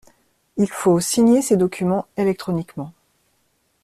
Il faut signer ses documents électroniquement.